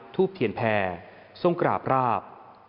ทูบเทียนแพร่ทรงกราบราบ